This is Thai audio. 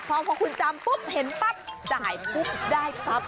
พอคุณจำปุ๊บเห็นปั๊บจ่ายปุ๊บได้ปั๊บ